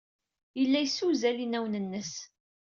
Yella yessewzal inawen-nnes.